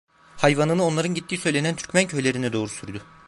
Hayvanını onların gittiği söylenen Türkmen köylerine doğru sürdü.